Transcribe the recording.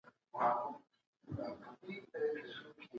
د ټولنيزو علومو ارزښت باید درک سي.